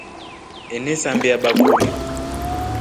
Enasambia bakuri.